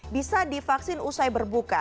bisa divaksin usai berbuka